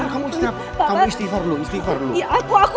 kamu istighfar dulu